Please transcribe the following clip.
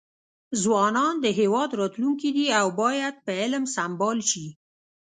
ځوانان د هیواد راتلونکي دي او باید په علم سمبال شي.